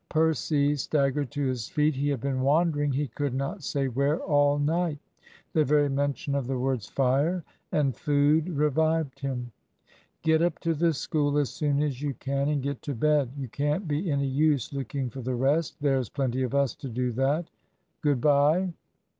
Percy staggered to his feet. He had been wandering, he could not say where, all night. The very mention of the words "fire" and "food" revived him. "Get up to school as soon as you can and get to bed. You can't be any use looking for the rest. There's plenty of us to do that. Good bye."